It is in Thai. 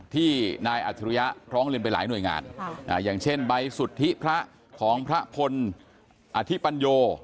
ที่นายอัจฉริยะร้องเรียนไปหลายหน่วยงานอย่างเช่นใบสุทธิพระของพระพลอธิปัญโย